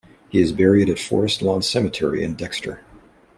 He is buried at Forest Lawn Cemetery in Dexter.